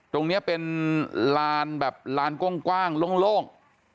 ตรงนี้เป็นลานแบบลานกว้างโล่ง